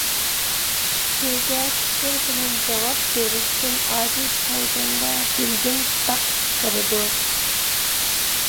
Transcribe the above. پىكىرگە پىكىر بىلەن جاۋاب بېرىشتىن ئاجىز كەلگەندە دىنىدىن پۇتاق چىقىرىدۇ.